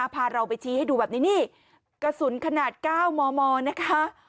พาเราไปชี้ให้ดูแบบนี้นี่กระสุนขนาด๙มมนะคะ